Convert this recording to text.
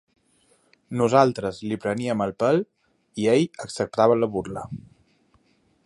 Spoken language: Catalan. Nosaltres li preníem el pèl i ell acceptava la burla.